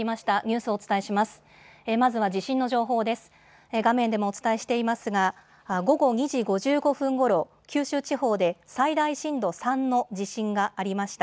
画面でもお伝えしていますが午後２時５５分ごろ、九州地方で最大震度３の地震がありました。